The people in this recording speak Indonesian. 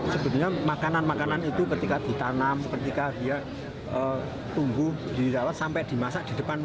sebenarnya makanan makanan itu ketika ditanam ketika dia tunggu didalat sampai dimasak di depan